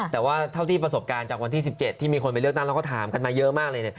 แต่ว่าเท่าที่ประสบการณ์จากวันที่๑๗ที่มีคนไปเลือกตั้งแล้วก็ถามกันมาเยอะมากเลย